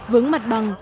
vướng mặt bằng